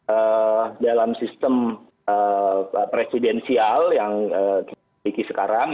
eee dalam sistem ee presidensial yang ee dikiriki sekarang